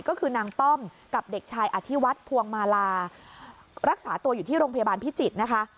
ก็คือนางป้อมกับเด็กชายอธิวัฒน์ภวงมาลารักษาตัวอยู่ที่โรงพยาบาลพิจิตรนะคะ